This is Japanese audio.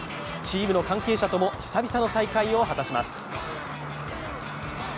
チームの関係者とも久々の再会を果たします。